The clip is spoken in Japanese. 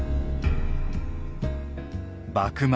幕末